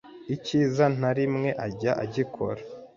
icyiza nta na rimwe ajya agikora